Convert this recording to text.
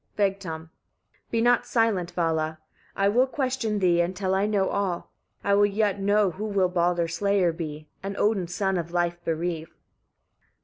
Vegtam. 13. "Be not silent, Vala! I will question thee, until I know all. I will yet know who will Baldr's slayer be, and Odin's son of life bereave."